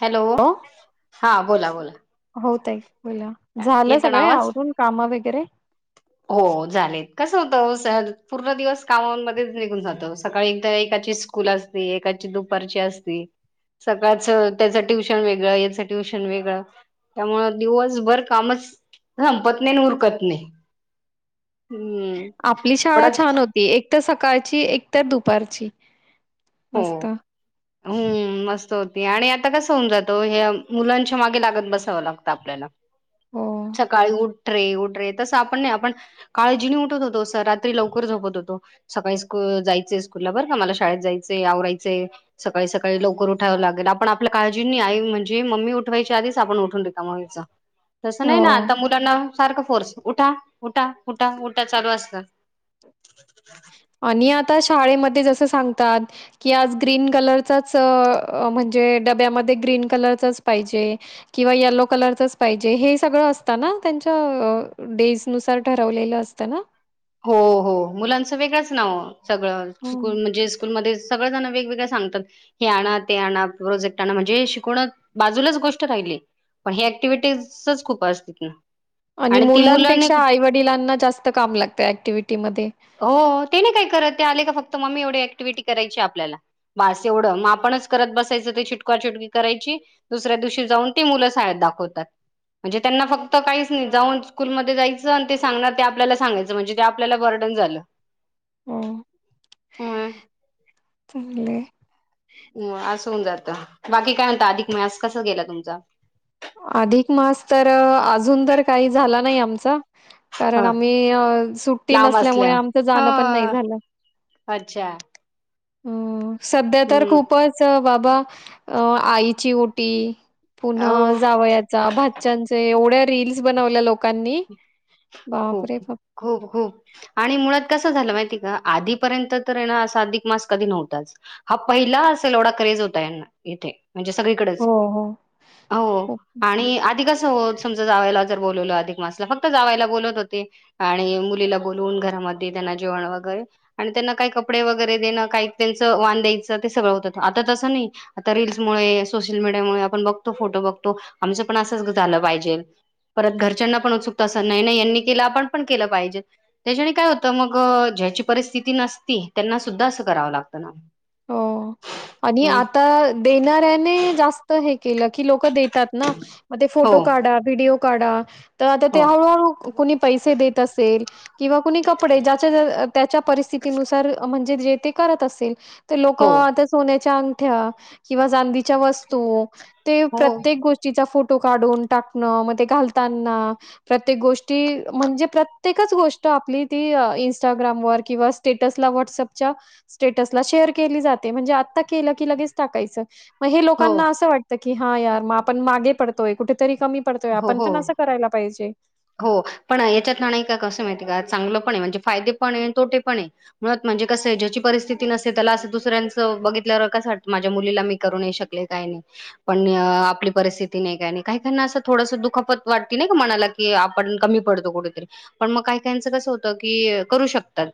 Hello हो. हा बोला बोला बो झालं येत ना सगळे आवाज आवरून काम वगैरे हो झालेत कसं होतं पूर्ण दिवस कामामध्येच निघून जातो सकाळी एकदा एकाची स्कूल असते एकाची दुपारची असती सकाळच त्याचं ट्युशन वेगळं याचं ट्युशन वेगळं त्यामुळे दिवसभर कामच संपत नाही उरकत नाही हम्म आपली शाळा थोडाच छान होती एक तर सकाळची एकत दुपारची हो मस्त. हम् मस् आणि आता कस होऊन जातो हे मुलांच्या मागे लागत बसावं लागतं आपल्याला हो. सकाळी उठ ट्रे उठ रे तसं आपण नाही आपण काळजीने उठत होतो रात्री लवकर झोपत होतो सकाळी जायचं स्कूला बर का मला शाळेत जायच आवरायचे सकाळी सकाळी लवकर उठावं लागेल आपण आपल्या काळजींनीय म्हणजे मम्मी उठवायची उठून रिकामं व्हायच तस नाही ना हो. आता मुलांना सारखं फोर्स उठा उठा उठा उठा चालू असत आणिन आता शाळेमध्ये जस सांगतात की आज ग्रीन कलरच म्हणजे बमध्ये न कल पाजे किवालो कलर पाजे स अस त्यां डेज नुसार ठरवलेलं असत ना हो हो मुलांचं वेगळंच नाव सगळं हं. स्कूल म्हणजे स्कूलमध्ये सगळजण वेगवेगळ सांगतात हे आणा ते आणा प्रोजेक्ट आणा म्हणजे शिकवण बाजूलाच गोष्ट राहिली पण ही ऍक्टिव्हिटीजच खूप असतील ना आणि ती मुलं नाही मुलांपेक्षा आई वडिलांना जास्त काम लागत ऍक्टिव्हटी हो तेने काय करत ते आले का फक्त मम्मी एवढ टिवटी करायची आपलास एवढ मग आपणच करत बसायचं तेिटकाट करायची दुसऱ्या दिवशी जाऊन ते मुलं साळेत दाखवतात म्हणजे त्यांना फक्त काहीच नाही जाऊन स्कूलमध्ये जायचं आणि ते सांगणार ते आपल्या सांगायचं म्हणजे ते आपल्याला बर झा हो ह चले हो असं होऊन जातं बाकी काय म्हणत अधिक म्हस कस गेला तुमचा अधिक मास तर अजून तर काही झाला नाही आमचा कारण ह आम्ही अ सुट्टी लांब नसल्यामुळे असल्या आमच ह जाणं पण नायं झालं. अच्छा हो सध्या तर हम्म खूपच बाबा अ आईची ओटी पुन्हा हो जावयाचा भाच्यांचे एवढ्या रील्स बनवल्या लोकांनी खूप बापरे बाप! खूप खूप आणि मुळात कस झालं माहितीये का आधीपर्यंत तर है ना असा अधिक मास कधी नव्हताच हा पहिला असेल एवढा क्रेज होता यांना इथे म्हणजे सगळीकडेच हो, हो. हो खूप. आणि आधी कस हो समजा जावयाला जर बोलवलं अधिक मासला फक् क्त जावयाला बोलवत होते. आणि मुलीला बोलून घरामध्ये त्यांना जेवण वगैरे आणि त्यांना काय कप पडे वगैरे देण काय त्यानंच वाण द्यायच ते सगळं होतं आता तस नाही आता रील्स मुळे सोशल मीडिया मुळं आपण बघतो. फोटो बघतो. आमच पण असच झालं पाहिजेल परत घरच्यांना पण उत्सु तसं नाही नाही यांनी केलं आपण पण केलं पाहिजे त्याच्यानी काय होतं मग ज्याची परिस्थिती नसती त्यांना सुद्धा असं करावं लागतं ना हो आणि म आता देणाऱ्याने जास्त हे केल की लोक देतात ना म ते हो फोटो काढा. व्हिडओ काढा. त आता ते हो हळूहळू कुणी पैसे देत असेल. किंवा कुणी कपडे ज्याच्या त्याच्या परिस्थितीनुसार म्हणजे जे ते करत असेल. ते लोक हो आता सोन्याच्या अंगठ्या किंवा चांदीच्या वस्तू ते हो प्रत्येक गोष्टीचा फोट टो काढून टाकण म ते घालताना प्रत्येक गोष्टी म्हणजे प्रत्येकच गोष्ट आपली ती इंस्टाग्राम वर किंवा स्टेट्स ला व्हाट्स अप च्या स्टेट्स ला शेअर केली जाते म्हणजे आता केल की लगेच टाकायचं म हे हो लोकांना अस वाटत की हा यार म आपण मागे पडतोय कुठेतरी कमी पडतोय हो आपण हो. पण असं करायला पाहिजे. हो पण याच्यात ना नाही का कसं माहिती ये का चांगलं पण आहे म्हणजे फायदे पण आहे तोटे पण आहे. मुळात म्हणजे कसयं ज्याची परिस्थिती नसते त्याला असं दुसऱ्यांचं बघितल्यावर कस वाटतं माझ्या मुलीला मी करू नाय शकले कायं पण आपली परिस्थिती नाही का काहीनायं कायकायांना असं थोडस दुखापत वाटती नाहीका मनाला की आपण कमी पडतो कुठेतरी पण म कायं कायांच कसं होतं की करू शकतात.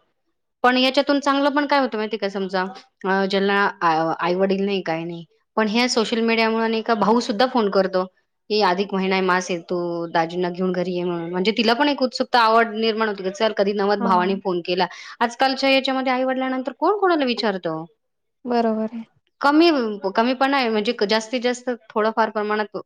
पण याच्यातून चांगलं पण काय होतं माहिती आहे काय समजा ज्याला आ आईवडील नाही काय नाही. पण हया सोशल मीडिया मुळ नाई का भाऊ सुद्धा फोन करतो की अधिक महिना मास येतो दाजीं ना घेऊन घरी ये म्हणून म्हणजे तिला पण एक उत्सुकता आवड निर्माण होते की चल कधी नव्ह भावांनी हां फोन केला आज कालच्या याच्यामध्ये आईवडल्यानंतर कोण कोणाला विचारत बरोबर आहे. कमी कमी पणा आहे म्हणजे जास्तीत जास्त थोडंफार प्रमाणात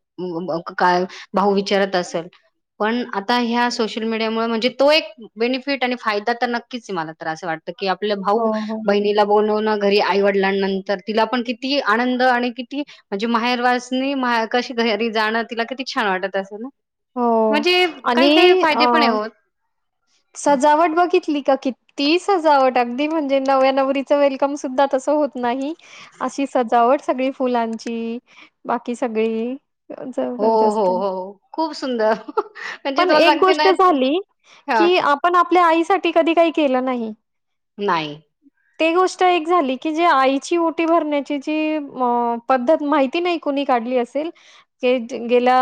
का भाऊ विचारत अस [inaudible] पण आता ह्या सोशल मीडियामुळ म्हणजे तो एक बेनिफिट आणि फायदा तर नक्कीच आहे मला तर असं वाटत की आपल्या हो, भाऊ हो, बहिणीला बोलावन घरी आईवडल्यानंतर तिला पण किती आनंद आणि किती म्हणजे माहेर वासणी मा कशी घरी जाणं तिला किती छान वाटत असेल ना हो म्हणजे काही आणि काही अ फायदे पण आहे हो. सजावट बघितली का किती सजावट अगदी म्हणजे नव्या नवरीच वेलकम सुद्धा तस होत नाही अशी सजावट सगळी फुलांची, बाकी सगळी हो हो जबरदस्त हो खूप सुंदर म्हणजे पण तुम्हाला एक सांगते गोष्ट ना झाली हा की आपण आपल्या आईसाठी कधी काही केलं नाही. नाही ते गोष्ट एक झाली की जे आईची ओटी भरण्याची जी पद्धत माहिती नाही कुणी काढली असेल गेल्या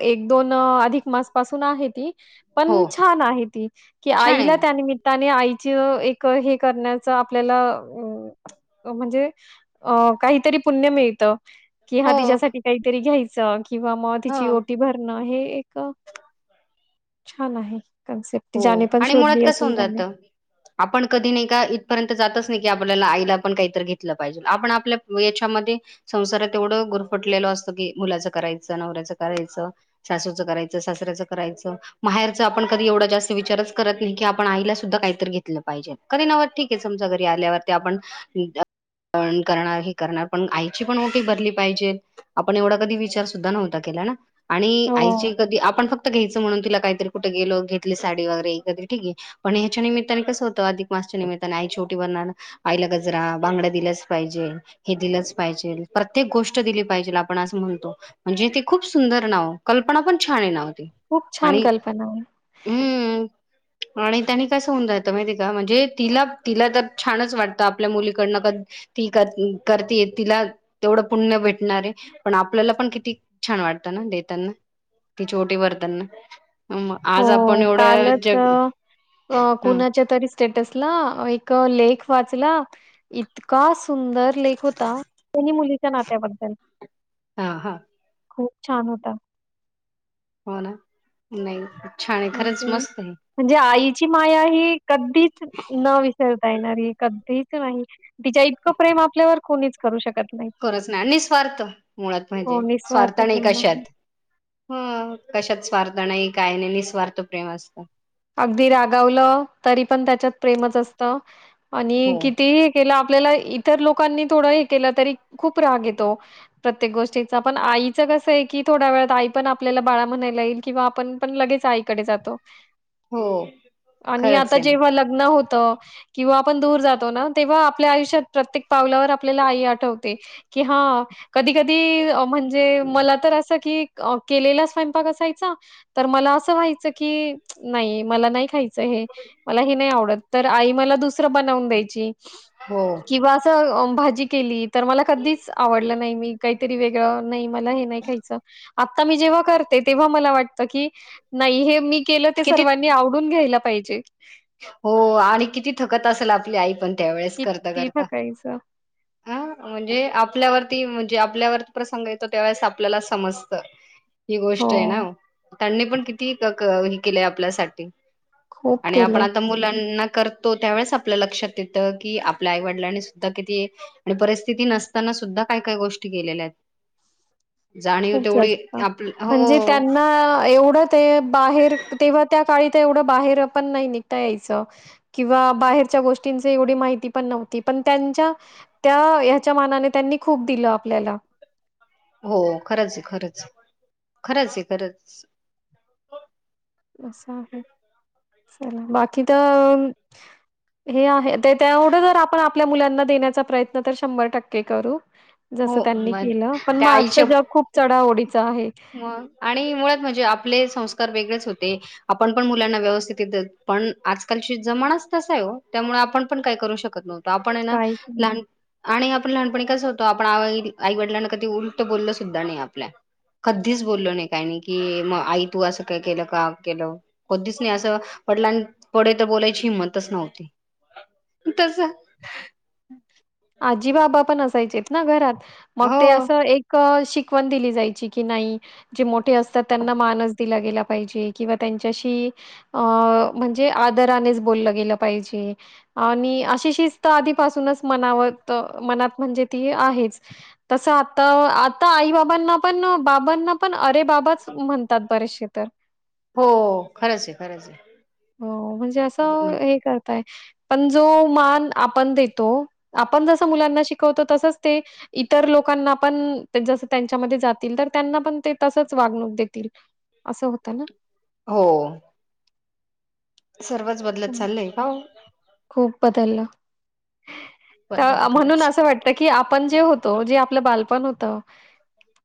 एक दोन अधिक मास पासून आहे ती हो पण छान आहे ती की छान आहे आईला ना त्या निमित्ताने आई ची हे करण्याच आपल्याला म्हणजे अ काहीतरी पुण्य मिळत. की हा हो तिच्यासाठी काहीतरी घ्यायचं किंवा मग हो तिची ओटी भरणं हे एक छान आहे. कन्सेप्ट हो ज्याने पण आणि मुळात शोधली कस असेल होऊन त्याने जात आपण कधी नाही का इथपर्यंत जातच नाही क आपल्याला आईला पण काहीतरी घेतलं पाहिजे आपण आपल्या याच्यामध्ये संसारात एवढं गुरफटलेलो अस मुलाच करायच नवऱ्याच करायच सासूच करायचं सासऱ्याच करायच माहे तर एवढ जास्त विचारच करत नाही कीण आईला सुद्धा काहीतरी घेतलं पाहिजे कधी नव ठीक आहे समजा घरी आल्यावरती आपण ठीक आहे पण करणार ही करणार पण आईची पण ओटी भरली पाहिजे आपण एवढा कधी विचार सुद्धा नव्हता क आणि हो आई कधी आपण फक्त घ्यायच म्हणून तिला काहीतरी कुठे गेलो साडी वगरे ठीके पण ह्याच्या निमित्ताने कसं होतं अधिक मासच्या निमित्ताने ओटी बन आ गजरा बांगड्या दिलाच पाहिजे हे दिलंच पाहिजे प्रत्येक गोष्ट दिली पाहिजे आपण अस म्ह म्हणजे ते खूप सुंदर नाव कल्पना पण छान नाव ते खूप छान कल्पना आहे हम आणि त्यांनी कसं होऊन जातं माहिती आहे का म्हणजे तिला तिला तर छानच वाटतं आपल्या मुलीकडनं का ती कर करतेय तिला तेवढं पुण्य भेटणारे पण आपल्याला पण किती छान वाटते देताना तीची ओटी भरताना आज आपण हो, एवढं कालच जग हा कुणाच्या तरी स्टेटस ला एक लेख वाचला इतका सुंदर लेख होता मुलीच्या नात्याबद्दल हा हा खूप छान होता हो ना नाही छान आहे खरंच म्हणजे मस्त आहे म्हणजे आईची माया ही कधीच न विसरता येणारी कधीच नाही तिच्या इतकं प्रेम आपल्यावर कोणीच करू शकत नाही खरच नाही आणि निस्वार्थ मुळात म्हणजे हो, स्वार्थ निस्वार्थ नाही प्रेम आहे. कशात हम कशात स्वार्थ नाही काय नाही निस्वार्थ प्रेम असत अगदी रागावलं तरी पण त्याच्यात प्रेमच असत हो आणि किती केलं आपल्याला इतर लोकांनी थोडं हे केलं तरी खूप राग येतो प्रत्येक गोष्टीचा पण आईच क आहे की थोड्या वेळात आई पण आपल्याला बाळा म्हणायला येईल किंवा आपण पण लगेच आईकडे जातो हो आणि खरंच आता आहे ना जेव्हा लग्न होत किंवा आपण दूर जातो ना तेव्हा आपल्या आयुष्यात प्रत्येक पावल्यावर आपल्याला आई आठवते कि हा कधी कधी म्हणजे मला तर असं की केलेला स्वयंपाक असायचा तर मला असं व्हायचं की नाही मला नाही खायच हे मला हे नाही आवडत तर आई मला दुसरं बनवून द्यायची हो किवा अस असे भाजी केली तर मला कधीच आवडलं नाही मी काहीतरी वेगळं नाही मला हे नाही खायचं आता मी जेव्हा करते तेव्हा मला वाटत की नाही हे मी केलं ते किती सर्वांनी आवडून घ्यायला पाहिजे हो आणि किती थकत असेल आपली आई त्यावेळेस किती करता थकायचं म्हणजे आपल्यावर म्हणजे आपल्यावर प्रसंग येतो त्यावेळेस आपल्याला समजत ही हो गोष्ट आहे ना त्यांनी पण किती हे केलंय आपल्यासाठी खूप आणि आपण केलंय आता मुलांना करतो त्यावेळी आपल्या लक्षात येत की आपल्या आईवडिलांना सुधा कीती परिस्थितीत ती नसताना सुद्धा काय काय गोष्टी केलेल्या आहेत [unintelligible] जाणीव खूप तेवढी जास्त आप म्हणजे हो त्यांना एवढं ते बाहेर तेव्हा त्या काळी तेवढ बाहेर पण नाही निघता याचे किंवा बाहेर गोष्टीं एवढी माहिती पण नव्हती पण त्यां त्याच्या मानाने त्यांनी खूप दिलं आपल्याला हो खरंच आहे खरंच खरंच आहे खरंच अस आहे चला बाकी तर हे आहे ते त्यामुळेढं जर आपण आपल्या मुलांना देण्याचा प्रयत्न तर शंभर टक्के करू हो जस त्यांनी मग केलं पण मग आजचा जग खूप चढा ओढ म आणि मुळात म्हणजे आपले संस्कार वेगळे आपण मुलांना व्यवस्थित पण आजकल चा जमाना तसा आहे ओ त्यामुळे आपण का करू शकत नव्हत आपण काहीच नाही लहान आणि आपण लहानपणी कसं होतो आपण आई आईवडिलांना कधी उलटं बोललं सुद्धा नाही आपल्या कधीच बोललो नाही काय नाही की मग आई तू असं काय केलं का केलं कोधच नाही वडिलांनी पडे तर बोलायची हिंमतच नव्हती [unintelligible] तस आजी बाबा पण असायचे ना घरात मग हो ते असं एक शिकवण दिली जायची नाही ज मोठे असतात त्यांना मान दिला पाहिजे म्हणजे आधराणे बोले गेले पाहिजे अशी शिस्त आधी पासून मनात म्हणजे त आहे तस आ आता आई बाबांना पण बाबांना पण अरे बाबाच म्हणतात बरेचसे तर हो खरंच आहे खरंच आहे. हो म्हणजे असं हे करताय पण जो मान आपण देतो आपण जसं मुलांना शिकवतो तसंच ते इतर लोकांना पण जस त्यांच्यामध्ये जातील तर त्यांना पण ते तसचे वागणूक देतील असं होतं ना हो सर्वच बदलत हं. चाललय का ओ खूप बदललं. तर म्हणून असं वाटत की आपण जे होतो जे आपलं बालपण होतं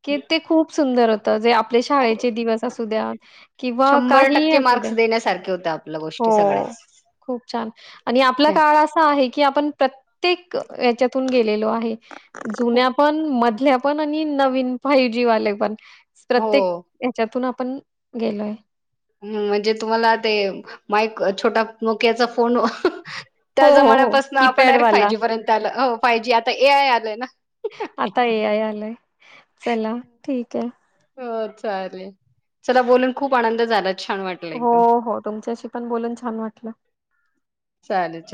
की ते खूप सुंदर होत जे आपले खू शाळेचे दिवस असू द्या किंवा शंभर काही टक्के असू द्या मार्क्स देण्यासारखे होत्या आपल्या गोष्टी हो सगळ्याच. [unintelligible] खूप छान आणि आपला काळ असा आहे की आपण प्रत्येक याच्यातून गेलेलो आहे हो जुन्या पण मधल्या नवीन फायजीवाले पण हो. प्रत्येकच्यात पण गेलोय हम् म्हणजे तुम्हाला ते माईक छोटा नोक्याचा फोन ोन हो, त्या हो, हो. जमान्यापासून आपण डायरेक्ट फाय कीपॅडवाला. जी पर्यंत आलं फायजीआता ए आय आलंय ना आता ये आ आलंय चला ठीक आहे हो चालेल चला बोलून खूप आनंद झाला छान वाटलं एकम हो, हो. तुमच्याशी पण बोलून छान वाटलं. चालेल